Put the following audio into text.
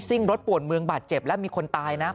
รถปวดเมืองบาดเจ็บและมีคนตายนะ